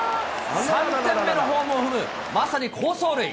３点目のホームを踏む、まさに好走塁。